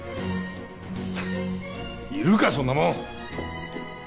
ふっいるかそんなもん！